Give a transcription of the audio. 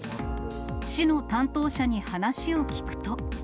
市の担当者に話を聞くと。